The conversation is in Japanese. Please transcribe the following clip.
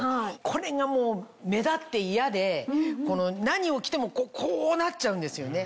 これがもう目立って嫌で何を着てもこうなっちゃうんですよね。